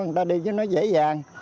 người ta đi cho nó dễ dàng